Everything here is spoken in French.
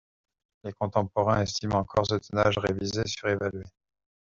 Les contemporains estiment encore ce tonnage révisé surévalué.